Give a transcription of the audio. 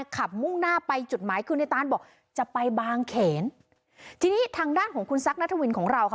มุ่งหน้าไปจุดหมายคือในตานบอกจะไปบางเขนทีนี้ทางด้านของคุณซักนัทวินของเราค่ะ